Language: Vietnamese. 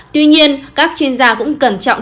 tuy nhiên các chuyên gia cũng cẩn trọng